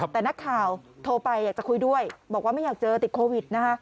แต่นักข่าวโทรไปอยากจะคุยด้วยบอกว่าไม่อยากเจอติดโควิดนะคะ